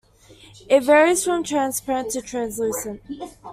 It varies from transparent to translucent.